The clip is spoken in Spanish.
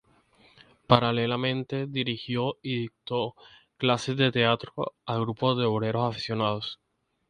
Paralelamente dirigió y dictó clases de teatro a grupos de obreros aficionados.